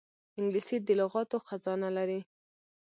انګلیسي د لغاتو خزانه لري